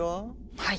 はい。